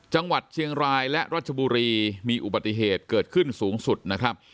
จังหวัดเชียงรายและรัชบุรีมีอุบัติเหตุเกิดขึ้นสูงสุดนะครับ